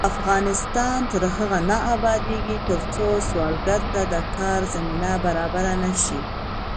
افغانستان تر هغو نه ابادیږي، ترڅو سوالګر ته د کار زمینه برابره نشي.